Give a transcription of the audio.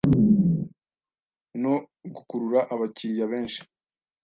no gukurura abakiriya benshi